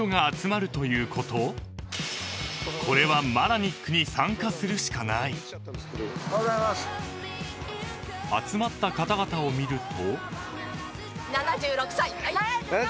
［これはマラニックに参加するしかない］［集まった方々を見ると］